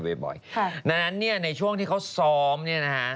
บ่อยค่ะดังนั้นเนี่ยในช่วงที่เขาซ้อมเนี่ยนะฮะ